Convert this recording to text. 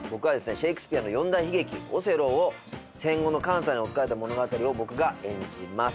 シェイクスピアの四大悲劇『オセロー』を戦後の関西に置き換えた物語を僕が演じます。